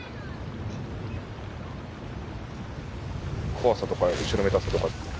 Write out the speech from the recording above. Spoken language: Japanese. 怖さとか後ろめたさとか。